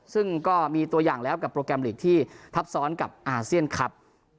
ซึ่งก็มีตัวอย่างแล้วกับโปรแกรมลีกที่ทับซ้อนกับอาเซียนครับ